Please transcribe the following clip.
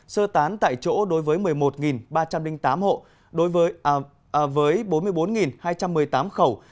sơ tán tại chỗ đối với một mươi một ba trăm linh tám hộ đối với bốn mươi bốn hai trăm một mươi tám khẩu